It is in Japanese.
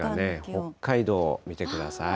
北海道、見てください。